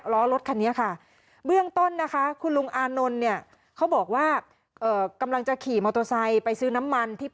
ล้อรถคันนี้ค่ะเบื้องต้นนะคะ